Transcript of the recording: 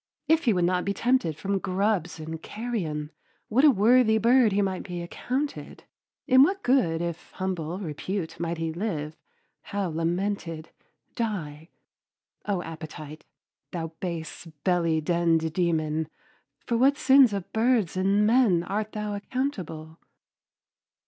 If he would not be tempted from grubs and carrion, what a worthy bird he might be accounted. In what good if humble repute might he live, how lamented, die. O Appetite! thou base belly denned demon, for what sins of birds and men art thou accountable!